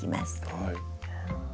はい。